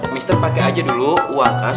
mr pake aja dulu uang kas